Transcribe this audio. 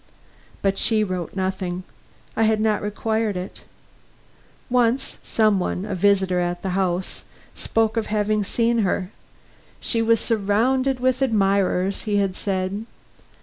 But she wrote nothing; I had not required it. Once, some one a visitor at the house spoke of having seen her. "She was surrounded with admirers," he had said.